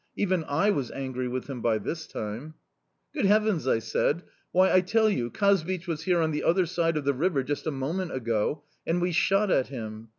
Even I was angry with him by this time! "'Good heavens!' I said; 'why, I tell you, Kazbich was here on the other side of the river just a moment ago, and we shot at him.